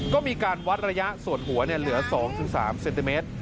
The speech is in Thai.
ก็มีการวัดระยะส่วนหัวเหลือ๒๓เซนติเมตร